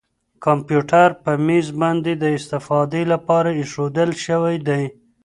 کمپیوټر په مېز باندې د استفادې لپاره اېښودل شوی دی.